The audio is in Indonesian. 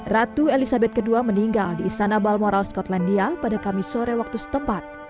ratu elizabeth ii meninggal di istana balmoral skotlandia pada kamis sore waktu setempat